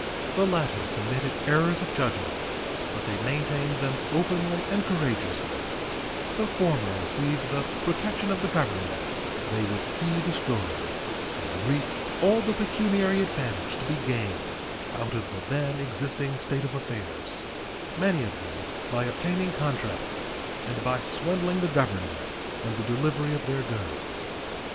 The latter committed errors of judgment, but they maintained them openly and courageously; the former received the protection of the Government they would see destroyed, and reaped all the pecuniary advantage to be gained out of the then existing state of affairs, many of them by obtaining contracts and by swindling the Government in the delivery of their goods.